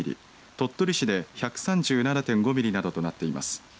鳥取市で１３７．５ミリなどとなっています。